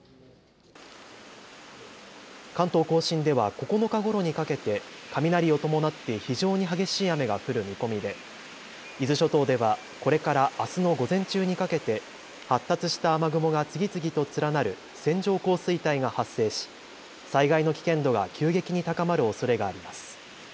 関東甲信では９日ごろにかけて雷を伴って非常に激しい雨が降る見込みで、伊豆諸島ではこれからあすの午前中にかけて発達した雨雲が次々と連なる線状降水帯が発生し、災害の危険度が急激に高まるおそれがあります。